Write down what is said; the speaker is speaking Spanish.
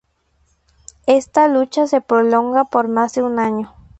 Esta lucha se prolonga por más de un año.